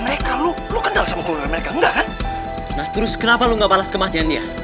mereka lu lu kenal sama keluarga mereka enggak kan terus kenapa lu nggak balas kematian dia